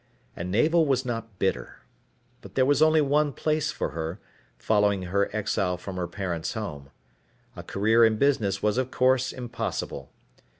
And Navel was not bitter. But there was only one place for her, following her exile from her parents' home. A career in business was of course impossible.